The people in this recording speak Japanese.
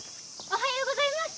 おはようございます。